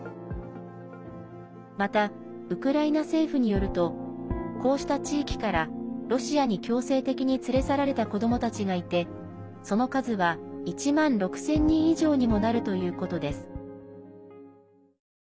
また、ウクライナ政府によるとこうした地域からロシアに強制的に連れ去られた子どもたちがいてその数は１万６０００人以上にもなるということです。